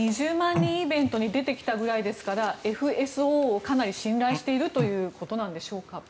２０万人イベントに出てきたぐらいですからＦＳＯをかなり信用しているということなんでしょうか。